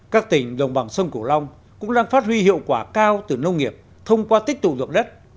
các tỉnh đồng bằng sông cửu long cũng đang phát huy hiệu quả cao từ nông nghiệp thông qua tích tụ dụng đất